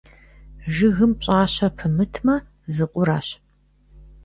Жыгым пщӀащэ пымытмэ, зы къурэщ.